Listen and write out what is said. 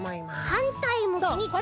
はんたいむきにつかう。